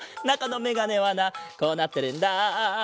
なかのメガネはなこうなってるんだ。